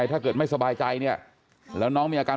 จริงไหมว่าจริงไหม